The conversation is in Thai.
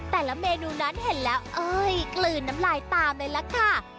แต่ละเมนูนั้นเห็นแล้วเอ้ยกลืนน้ำลายตามเลยล่ะค่ะ